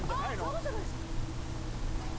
・そうじゃないすか？